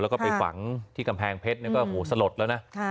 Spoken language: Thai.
แล้วก็ไปหวังที่กำแพงเพชรเนี่ยหม่อโหสะโหลดแล้วนะ